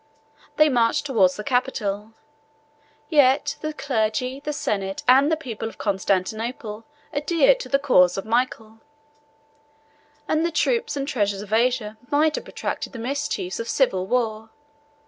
They marched towards the capital: yet the clergy, the senate, and the people of Constantinople, adhered to the cause of Michael; and the troops and treasures of Asia might have protracted the mischiefs of civil war.